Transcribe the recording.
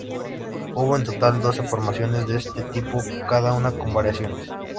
Hubo en total doce formaciones de este tipo, cada una con variaciones.